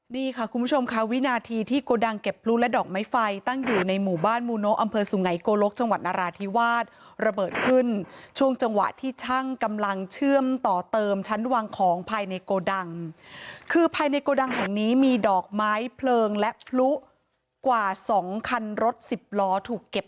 นี่ค่ะคุณผู้ชมค่ะวินาทีที่โกดังเก็บพลุและดอกไม้ไฟตั้งอยู่ในหมู่บ้านมูโนอำเภอสุไงโกลกจังหวัดนราธิวาสระเบิดขึ้นช่วงจังหวะที่ช่างกำลังเชื่อมต่อเติมชั้นวางของภายในโกดังคือภายในโกดังแห่งนี้มีดอกไม้เพลิงและพลุกว่าสองคันรถสิบล้อถูกเก็บ